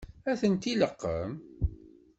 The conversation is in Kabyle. Ad tent-ileqqem?